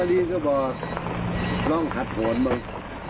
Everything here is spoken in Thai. พี่ชายลีก็บอกล่องขัดผลบ้าง